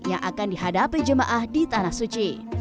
yang akan dihadapi jemaah di tanah suci